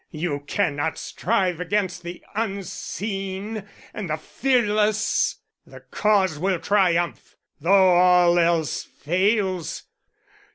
You cannot strive against the unseen and the fearless. The Cause will triumph though all else fails.